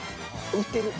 売ってる。